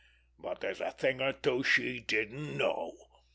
But there's a thing or two she didn't know."